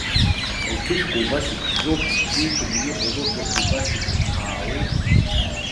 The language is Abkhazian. Лқьышәқәа убас иԥшӡоуп, ибнеикны иҟоу лыблақәа убас иҭыԥхаауеит.